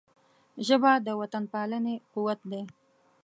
ژبه د وطنپالنې قوت دی